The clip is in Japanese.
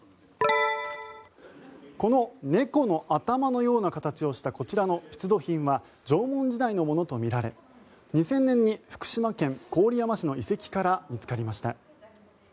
この猫の頭のような形をしたこちらの出土品は縄文時代のものとみられ２０００年に福島県郡山市の遺跡から見つかりました。